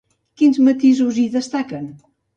Quins matisos hi destaquen?